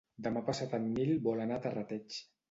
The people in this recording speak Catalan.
Demà passat en Nil vol anar a Terrateig.